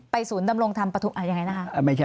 ไปศูนย์ดำรงธรรมอย่างไรนะคะ